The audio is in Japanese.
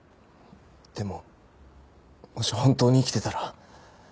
でももし本当に生きてたら。